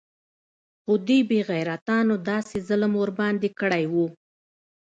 خو دې بې غيرتانو داسې ظلم ورباندې كړى و.